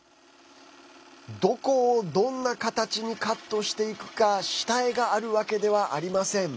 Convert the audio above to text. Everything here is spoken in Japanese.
どこを、どんな形にカットしていくか下絵があるわけではありません。